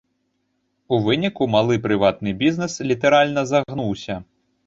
У выніку малы прыватны бізнес літаральна загнуўся.